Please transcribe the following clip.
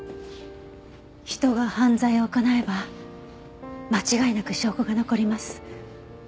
人が犯罪を行えば間違いなく証拠が残ります。